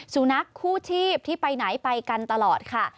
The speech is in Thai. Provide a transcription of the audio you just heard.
สุนัขคู่ชีพที่ไปไหนไปกันตลอดค่ะ